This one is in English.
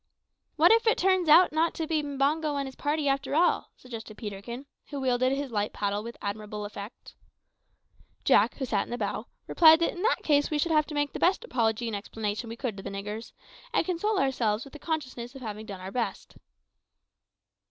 "What if it turns out not to be Mbango and his party after all?" suggested Peterkin, who wielded his light paddle with admirable effect. Jack, who sat in the bow, replied that in that case we should have to make the best apology and explanation we could to the niggers, and console ourselves with the consciousness of having done our best.